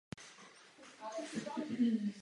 Má mladšího bratra Josepha a sestru Marii.